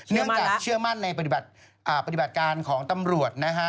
เนื่องจากเชื่อมั่นในปฏิบัติการของตำรวจนะฮะ